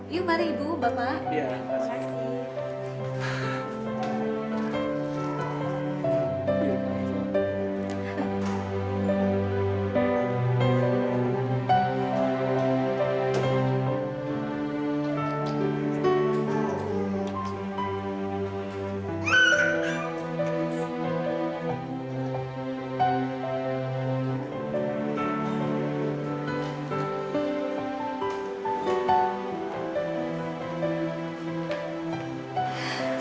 yuk mari ibu bapak